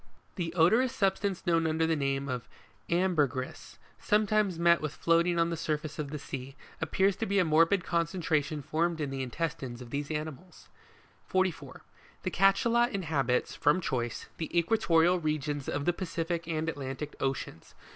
The odorous substance known under the name of Jlmberyris, sometimes met with floating on the surface of the sea, appears to be a morbid concretion formed in the intestines of these animals. 44. The Cachalot inhabits, from choice, the equatorial regions of the Pacific and Atlantic oceans.